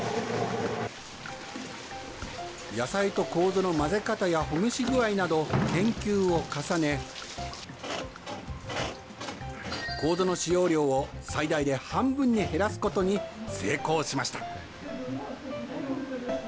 野菜とコウゾの混ぜ方やほぐし具合など、研究を重ね、コウゾの使用量を、最大で半分に減らすことに成功しました。